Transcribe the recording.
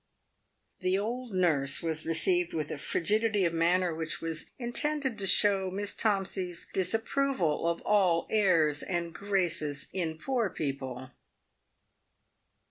The old nurse was received with a frigidity of manner which was intended to show Miss Tomsey's disapproval of all airs and graces in poor people.